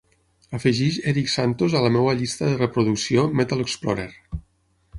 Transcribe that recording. Afegeix Erik Santos a la meva llista de reproducció Metal Xplorer